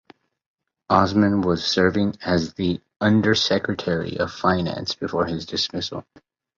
Osman was serving as the undersecretary of finance before his dismissal.